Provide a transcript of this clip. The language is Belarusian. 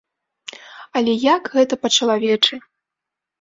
Але як гэта па-чалавечы!